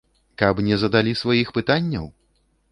Каб не задалі сваіх пытанняў?